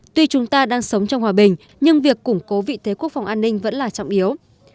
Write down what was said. tuy chúng ta đang sống trong hòa bình nhưng việc củng cố vị thế quốc phòng an ninh vẫn là trọng yếu